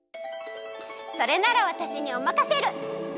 それならわたしにおまかシェル。